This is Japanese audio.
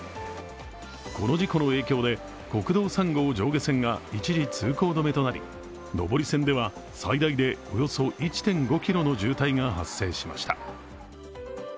この事故の影響で、国道３号上下線が一時通行止めとなり、上り線では、最大でおよそ１．５ｋｍの渋滞が発生しました。